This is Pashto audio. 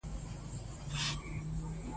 د غریبانو قرباني بنده کړه.